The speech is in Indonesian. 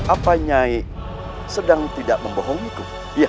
apanya sedang tidak membohongiku